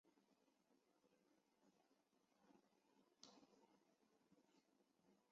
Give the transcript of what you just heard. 其外观令发现的科学家感到疑惑。